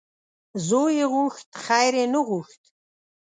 زوی یې غوښت خیر یې نه غوښت .